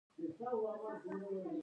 موږ د ښوونځیو پرانیستو هیله لرو.